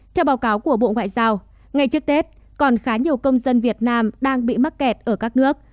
theo báo cáo của bộ ngoại giao ngay trước tết còn khá nhiều công dân việt nam đang bị mắc kẹt ở các nước